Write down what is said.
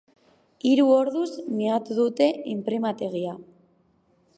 Hiru orduz miatu dute inprimategia.